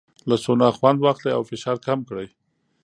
له سونا خوند واخلئ او فشار کم کړئ.